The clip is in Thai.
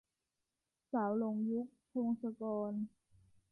สาวหลงยุค - พงศกร